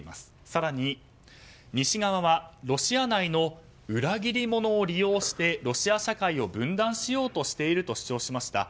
更に、西側はロシア内の裏切り者を利用してロシア社会を分断しようとしていると主張しました。